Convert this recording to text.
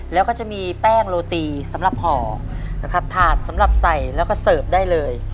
แล้วก็จะมีแป้งโรตีสำหรับห่อนะครับถาดสำหรับใส่แล้วก็เสิร์ฟได้เลย